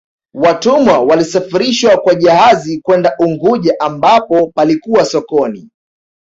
watumwa walisafirishwa kwa jahazi kwenda unguja ambapo palikuwa sokoni